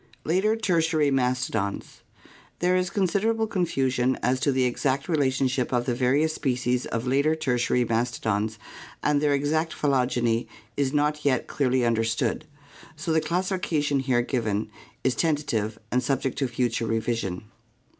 Later Tertiary Mastodons . There is considerable confusion as to the exact relationship of the various species of later Tertiary mastodons and their exact phylogeny is not yet clearly understood, so the classifica tion here given is tentative and sub ject to future revision.